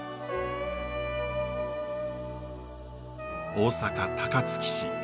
大阪・高槻市。